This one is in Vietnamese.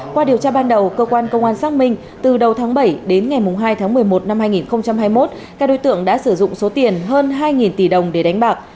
qua điều tra ban đầu cơ quan công an xác minh từ đầu tháng bảy đến ngày hai tháng một mươi một năm hai nghìn hai mươi một các đối tượng đã sử dụng số tiền hơn hai tỷ đồng để đánh bạc